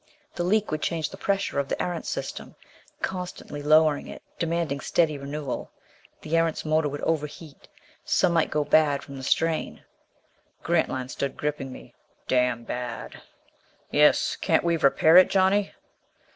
The leak would change the pressure of the Erentz system, constantly lower it, demanding steady renewal. The Erentz motors would overheat; some might go bad from the strain. Grantline stood gripping me. "Damn bad." "Yes. Can't we repair it, Johnny?"